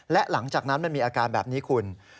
และหลังจากนั้นมันมีอาการแบบนี้คุณ